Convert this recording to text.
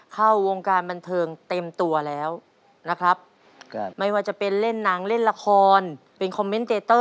เข้าวงการบันเทิงเต็มตัวแล้วนะครับ